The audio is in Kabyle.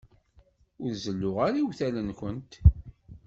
Ur zelluɣ ara iwtal-nkent.